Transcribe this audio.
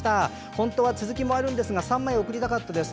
本当は続きもあるのですが３枚送りたかったです。